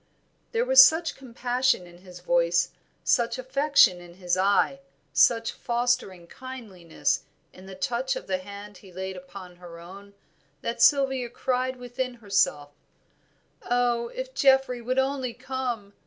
There was such compassion in his voice, such affection in his eye, such fostering kindliness in the touch of the hand he laid upon her own, that Sylvia cried within herself, "Oh, if Geoffrey would only come!"